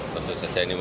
tentu saja ini mau